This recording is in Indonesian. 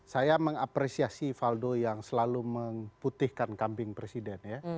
saya mengapresiasi faldo yang selalu memutihkan kambing presiden ya